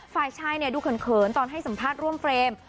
ฝ่ายชายดูเขินตอนให้สัมภาษณ์ร่วมเฟรม